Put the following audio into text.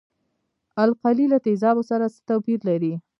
القلي له تیزابو سره څه توپیر لري.